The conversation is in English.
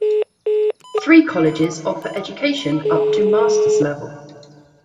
Three colleges offer education up to Master's level.